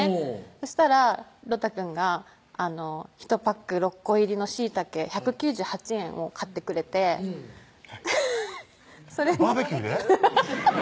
そしたらロタくんがひとパック６個入りのしいたけ１９８円を買ってくれてフフッＢＢＱで？